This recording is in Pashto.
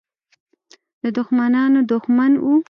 د دښمنانو دښمن وو.